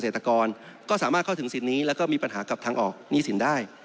ตกรก็สามารถเข้าถึงสินนี้แล้วก็มีปัญหากับทางออกหนี้สินได้